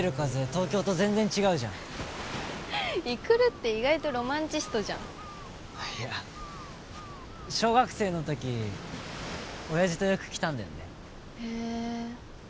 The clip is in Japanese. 東京と全然違うじゃん育って意外とロマンチストじゃんあっいや小学生のとき親父とよく来たんだよねへえ